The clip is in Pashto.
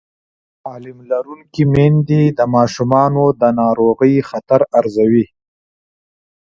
تعلیم لرونکې میندې د ماشومانو د ناروغۍ خطر ارزوي.